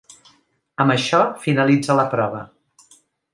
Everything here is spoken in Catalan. Amb això finalitza la prova.